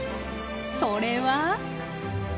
それは。